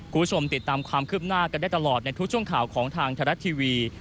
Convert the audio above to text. คุณผู้ชมติดตามความคืบหน้ากันได้ตลอดในทุกช่วงข่าวของทางไทยรัฐทีวี